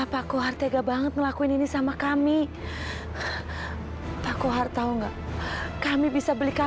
yaudah kamu gak bisa lagi campur masuk sana